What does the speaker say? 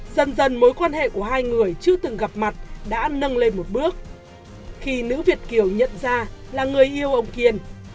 dần dần mối quan hệ của hai người chưa từng gặp mặt đã nâng lên một bước khi nữ việt kiều nhận ra là người yêu ông kiên